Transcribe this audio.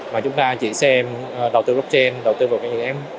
mà chúng ta chỉ xem đầu tư blockchain đầu tư vào những game